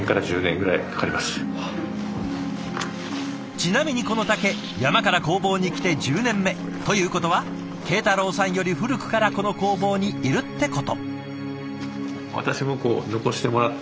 ちなみにこの竹山から工房に来て１０年目ということは慶太郎さんより古くからこの工房にいるってこと。